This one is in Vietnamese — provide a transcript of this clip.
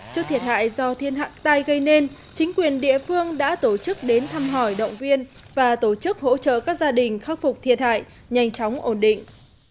trước thiệt hại do thiên hạng tai gây nên chính quyền địa phương đã tổ chức đến thăm hỏi động viên và tổ chức hỗ trợ các gia đình khắc phục thiệt hại nhanh chóng ổn định